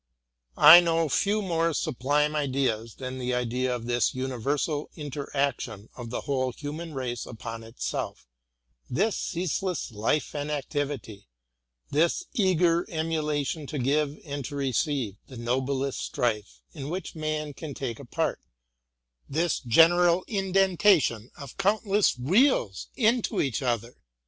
I know few more sublime ideas, than the idea of this universal inter action of the whole human race on itself; this ceaseless life and activity; this eager emulation to give and to receive, — the noblest strife in which man can take a part ; this general indentation of countless wheels into each other, n m: ir.